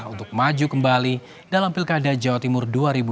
untuk maju kembali dalam pilkada jawa timur dua ribu delapan belas